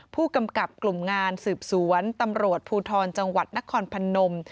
ผู้กำกับกลุ่มงานสืบสวนตำรวจภูทรจังหวัดนครพนม